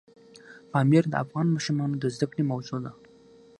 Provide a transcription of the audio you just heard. پامیر د افغان ماشومانو د زده کړې موضوع ده.